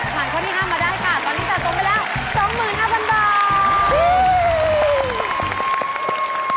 หันข้อนี้ค่ะมาได้ค่ะตอนนี้จากต้นไปแล้ว๒๕๐๐๐บาท